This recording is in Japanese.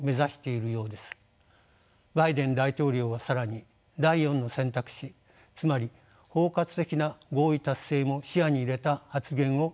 バイデン大統領は更に第４の選択肢つまり包括的な合意達成も視野に入れた発言をしています。